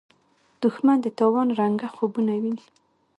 دښمن د تاوان رنګه خوبونه ویني